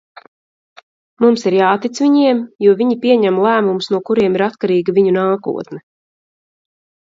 Mums ir jātic viņiem, jo viņi pieņem lēmumus, no kuriem ir atkarīga viņu nākotne.